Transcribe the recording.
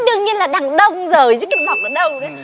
thế đương nhiên là đằng đông rời chứ cần mọc ở đâu đấy